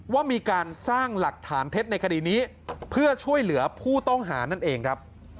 ว่ามีการสร้างหลักฐานเท็จในคดีนี้เพื่อช่วยเหลือผู้ต้องหานั่นเองครับ